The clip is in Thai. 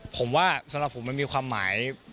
ผมว่าสำหรับผมมันมีความหมาย